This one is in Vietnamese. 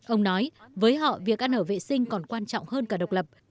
ông nói với họ việc ăn ở vệ sinh còn quan trọng hơn cả độc lập